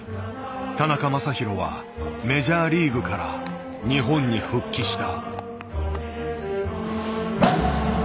田中将大はメジャーリーグから日本に復帰した。